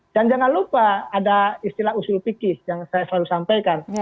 dan jangan lupa ada istilah usul pikis yang saya selalu sampaikan